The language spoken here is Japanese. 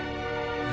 え。